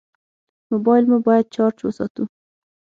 موبایل مو باید چارج وساتو.